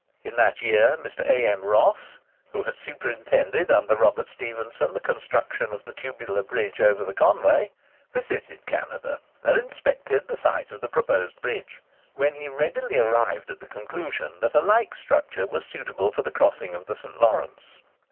In that year, Mr. A. M. Ross—who had superintended, under Robert Stephenson, the construction of the tubular bridge over the Conway—visited Canada, and inspected the site of the proposed bridge, when he readily arrived at the conclusion that a like structure was suitable for the crossing of the St. Lawrence.